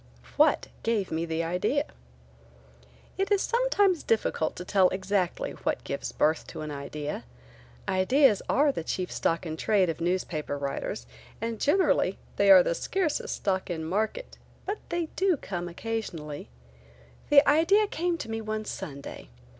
WHAT gave me the idea? It is sometimes difficult to tell exactly what gives birth to an idea. Ideas are the chief stock in trade of newspaper writers and generally they are the scarcest stock in market, but they do come occasionally, This idea came to me one Sunday.